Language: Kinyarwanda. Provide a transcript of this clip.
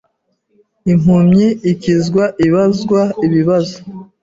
Impumyi ikizwa Ibazwa ibibazo